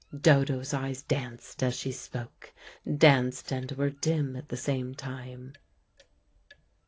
Dodo's eyes danced as she spoke, danced and were dim at the same time.